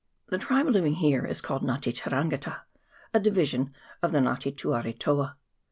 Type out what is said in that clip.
The tribe living here is called Nga te terangita, a division of the Nga te tuaretoa.